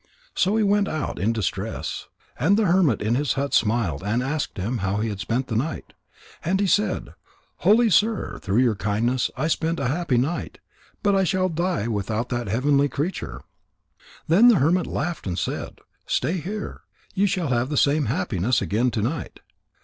So he went out in distress, and the hermit in his hut smiled and asked him how he had spent the night. And he said: "Holy sir, through your kindness I spent a happy night, but I shall die without that heavenly creature." Then the hermit laughed and said: "Stay here. You shall have the same happiness again to night."